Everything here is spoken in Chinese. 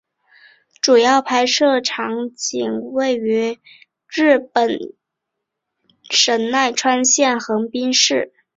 主要拍摄场景位于日本神奈川县横滨市。